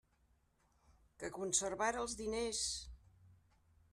Que conservara els diners!